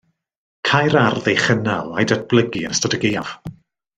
Cai'r ardd ei chynnal a'i datblygu yn ystod y gaeaf